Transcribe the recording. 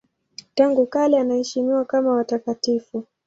Tangu kale anaheshimiwa kama watakatifu.